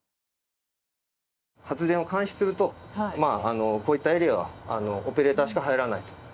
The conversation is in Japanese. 発電を開始するとこういったエリアはオペレーターしか入らないと。